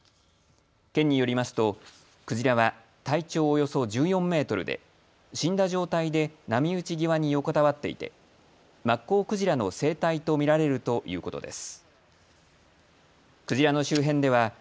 県によりますとクジラは体長およそ１４メートルで死んだ状態で波打ち際に横たわっていてマッコウクジラの成体と見られるということです。